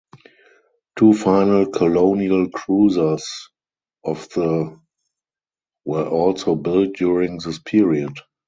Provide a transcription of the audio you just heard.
Two final colonial cruisers of the were also built during this period.